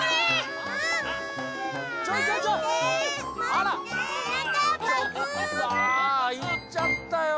あいっちゃったよ